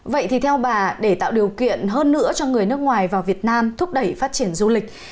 vậy thì theo bà để tạo điều kiện hơn nữa cho người nước ngoài vào việt nam thúc đẩy phát triển du lịch